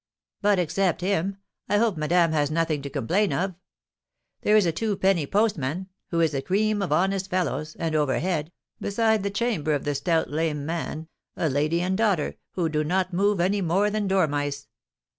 "But, except him, I hope madame has nothing to complain of. There is a twopenny postman, who is the cream of honest fellows, and overhead, beside the chamber of the stout lame man, a lady and daughter, who do not move any more than dormice."